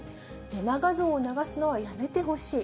デマ画像を流すのはやめてほしい。